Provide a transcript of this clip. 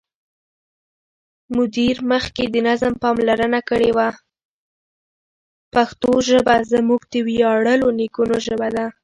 پښتو ژبه زموږ د ویاړلو نیکونو ژبه ده.